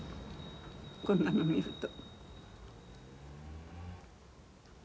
こんなの見ると。